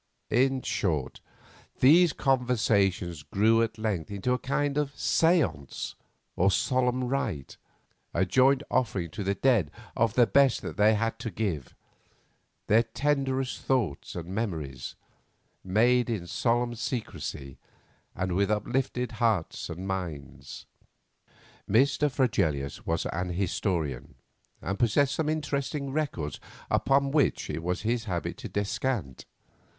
In short, these conversations grew at length into a kind of seance or solemn rite; a joint offering to the dead of the best that they had to give, their tenderest thoughts and memories, made in solemn secrecy and with uplifted hearts and minds. Mr. Fregelius was an historian, and possessed some interesting records, upon which it was his habit to descant.